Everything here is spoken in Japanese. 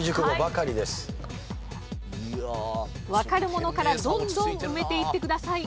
わかるものからどんどん埋めていってください。